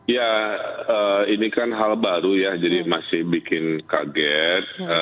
ya ini kan hal baru ya jadi masih bikin kaget